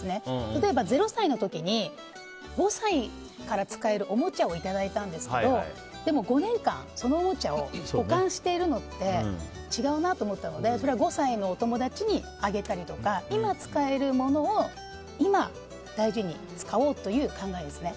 例えば０歳の時に５歳から使えるおもちゃをいただいたんですけどでも５年間、そのおもちゃを保管してるのって違うなと思ったのでそれは５歳のお友達にあげたりとか今使えるものを今大事に使おうという考えですね。